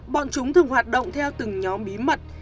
bọn chúng thường hoạt động theo từng nhóm bí mật